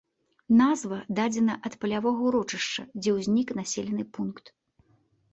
Назва дадзена ад палявога урочышча, дзе ўзнік населены пункт.